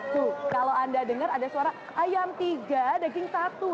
tuh kalau anda dengar ada suara ayam tiga daging satu